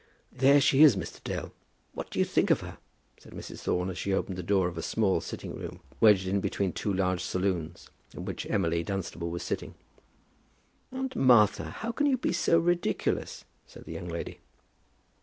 "There she is, Mr. Dale; what do you think of her?" said Mrs. Thorne, as she opened the door of a small sitting room wedged in between two large saloons, in which Emily Dunstable was sitting. "Aunt Martha, how can you be so ridiculous?" said the young lady.